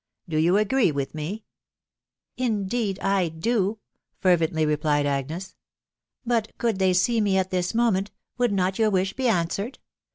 Do you agree with me ?"" Indeed I do!" fervently replied Agnes. "Bat eoulsT they see me at this moment, would not your wish be answered?